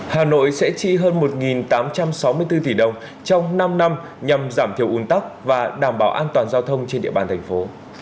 hà nội sẽ chi hơn một tám trăm sáu mươi bốn tỷ đồng trong năm năm nhằm giảm thiểu un tắc và đảm bảo an toàn giao thông trên địa bàn thành phố